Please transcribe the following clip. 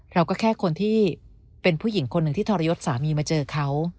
เราก็แค่คนที่เป็นผู้หญิงคนหนึ่งที่ทรยศสามีมาเจอเขา